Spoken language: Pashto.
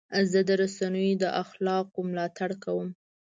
زه د رسنیو د اخلاقو ملاتړ کوم.